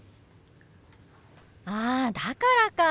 あだからか！